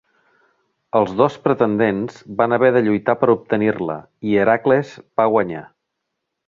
Els dos pretendents van haver de lluitar per obtenir-la, i Hèracles va guanyar.